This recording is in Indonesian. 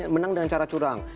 menang dengan cara curang